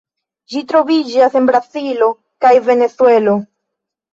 Ĝi troviĝas en Brazilo kaj Venezuelo.